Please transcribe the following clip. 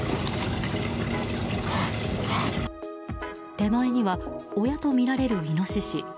手前には親とみられるイノシシ。